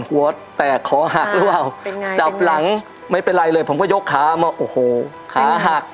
หัวแตกคอหักหรือเปล่าเป็นไงจับหลังไม่เป็นไรเลยผมก็ยกขามาโอ้โหขาหัก